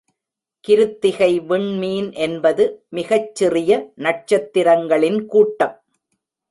கிருத்திகை விண்மீன் என்பது மிகச்சிறிய நட்சத்திரங்களின் கூட்டம்!